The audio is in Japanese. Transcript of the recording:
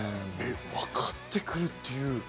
わかってくるっていう。